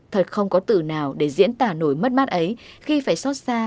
thật không có từ nào để diễn tả nổi mất mát ấy khi phải xót xa